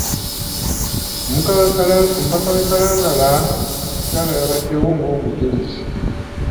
Omubaka w'e Kalangala omukyala yabaddewo ng'omujulizi.